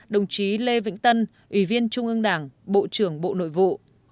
ba mươi một đồng chí lê vĩnh tân ủy viên trung ương đảng bộ trưởng bộ nội vụ